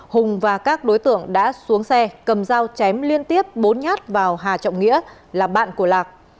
hùng và các đối tượng đã xuống xe cầm dao chém liên tiếp bốn nhát vào hà trọng nghĩa là bạn của lạc